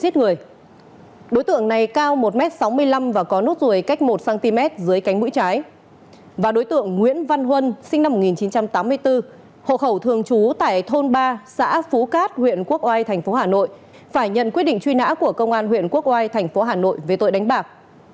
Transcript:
phải nhận quyết định truy nã của công an huyện quốc oai thành phố hà nội về tội đánh bạc